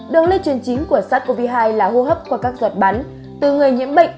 đường lý chuyển chính của sars cov hai là hô hấp qua các giọt bắn từ người nhiễm bệnh